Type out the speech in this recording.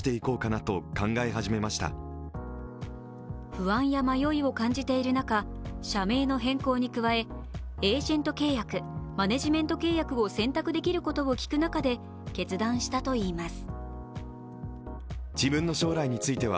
不安や迷いを感じている中社名の変更に加え、エージェント契約、マネジメント契約を選択できることを聞く中で決断したといいます。